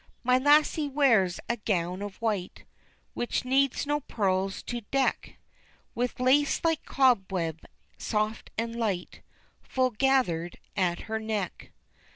My lassie wears a gown of white, Which needs no pearls to deck, With lace like cobweb, soft and light, Full gathered at her neck.